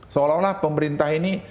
seolah olah pemerintah ini